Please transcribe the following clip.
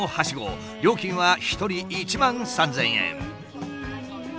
料金は一人１万３，０００円。